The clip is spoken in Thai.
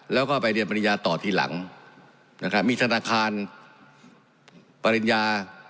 แล้วก็ไปเรียนปริญญาต่อทีหลังนะครับมีธนาคารปริญญา